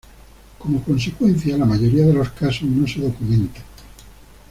Como consecuencia, la mayoría de los casos no se documentan.